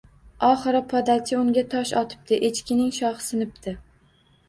Oxiri, podachi unga tosh otibdi, Echkining shoxi sinibdi